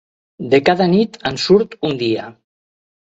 De cada nit en surt un dia.